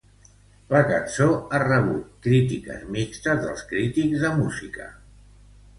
La cançó ha rebut crítiques mixtes dels crítics de música.